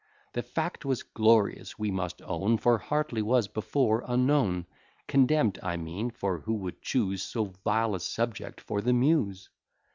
The fact was glorious, we must own, For Hartley was before unknown, Contemn'd I mean; for who would chuse So vile a subject for the Muse?